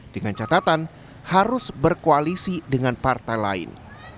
dengan catatan harus berkoalisi dengan partai lain